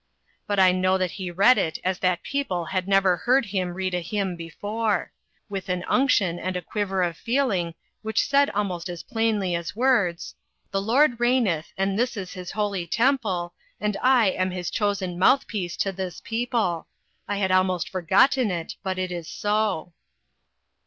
But I know that he read it as that people had never heard him read a hymn before, with an unction and a quiver of feeling which said almost as plainly as words :" The Lord reigneth, and this is his holy RECOGNITION. 367 temple, and I am his chosen mouthpiece to this people : I had almost forgotten it, but it is so."